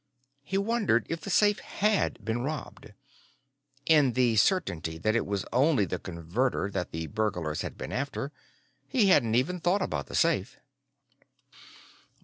He wondered if the safe had been robbed. In the certainty that it was only the Converter that the burglars had been after, he hadn't even thought about the safe.